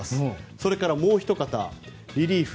それから、もうおひと方リリーフ。